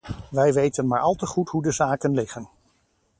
Wij weten maar al te goed hoe de zaken liggen.